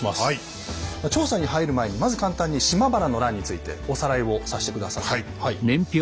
調査に入る前にまず簡単に島原の乱についておさらいをさして下さい。